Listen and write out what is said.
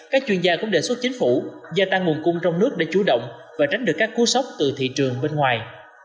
các chuyên gia cũng đề xuất chính phủ gia tăng nguồn cung trong nước để chủ động và tránh được các cú sốc từ thị trường bên ngoài